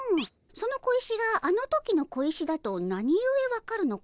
その小石があの時の小石だとなにゆえ分かるのかの？